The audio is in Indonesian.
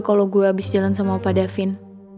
kalo gue abis jalan sama pak davin